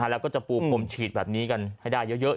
แล้วก็จะปูพรมฉีดแบบนี้กันให้ได้เยอะ